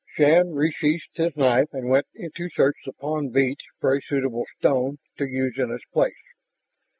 Shann resheathed his knife and went to search the pond beach for a suitable stone to use in its place.